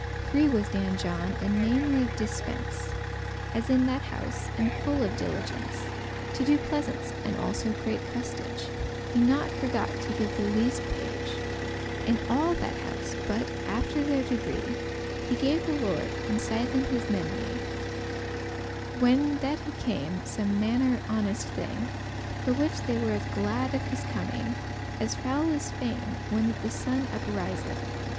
Free was Dan <3> John, and namely* of dispence, *especially spending As in that house, and full of diligence To do pleasance, and also *great costage;* *liberal outlay* He not forgot to give the leaste page In all that house; but, after their degree, He gave the lord, and sithen* his meinie, *afterwards servants When that he came, some manner honest thing; For which they were as glad of his coming As fowl is fain when that the sun upriseth.